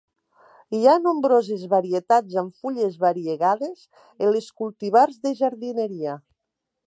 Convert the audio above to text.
Hi ha nombroses varietats amb fulles variegades en les cultivars de jardineria.